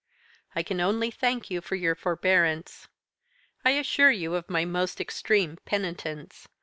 I can only thank you for your forbearance. I assure you of my most extreme penitence.